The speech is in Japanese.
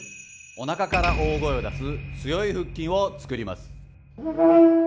おなかから大声を出す強い腹筋を作ります。